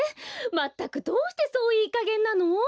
まったくどうしてそういいかげんなの？